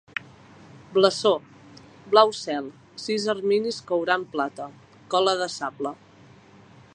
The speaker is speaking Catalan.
Blasó: blau cel, sis erminis courant plata, cola de sable.